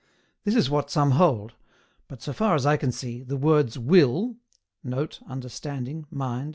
This is what some hold; but, so far as I can see, the words WILL [Note: "Understanding, mind."